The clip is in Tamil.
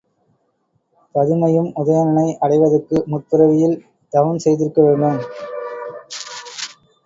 பதுமையும் உதயணனை அடைவதற்கு முற்பிறவியில் தவம் செய்திருக்க வேண்டும்.